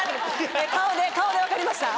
顔で顔で分かりました。